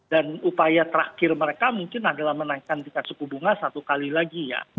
dan upaya terakhir mereka mungkin adalah menaikkan tingkat suku bunga satu kali lagi ya